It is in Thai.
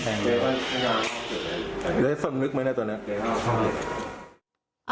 ใครรู้คุณสมนึกไหมนะตอนนั้น